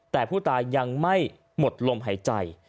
แต่ผู้ตายยังไม่หมดลมหายใจ